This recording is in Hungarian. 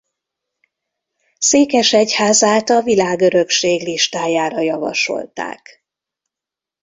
Székesegyházát a Világörökség listájára javasolták.